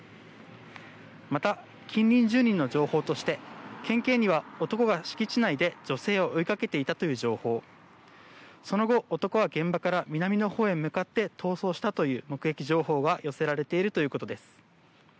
また、近隣住人の情報として県警には男が敷地内で女性を追いかけていたという情報その後、男は現場から南のほうへ向かって逃走したという目撃情報が寄せられているということです。